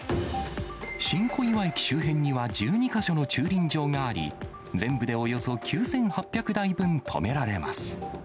新小岩駅周辺には１２か所の駐輪場があり、全部でおよそ９８００台分止められます。